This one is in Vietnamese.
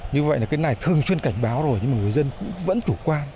như vậy là cái này thường xuyên cảnh báo rồi nhưng mà người dân cũng vẫn chủ quan